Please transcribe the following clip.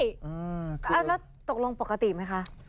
แล้วตกลงปกติไหมคะ